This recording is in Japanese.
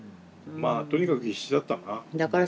まあとにかく必死だったかな。